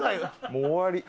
もう終わり。